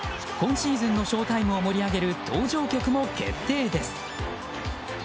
今シーズンのショータイムを盛り上げる登場曲も決定です。